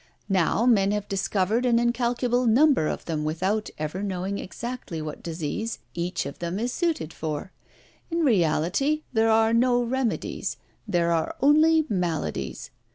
Now, men have discovered an incalculable number of them without ever knowing exactly what disease each of them is suited for. In reality there are no remedies; there are only maladies.